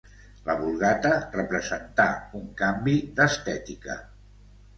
La Vulgata representà un canvi d’estètica.